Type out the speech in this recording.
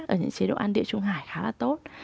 ở những chế độ ăn địa trung hải khá là tốt